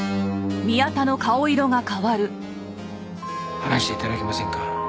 話して頂けませんか？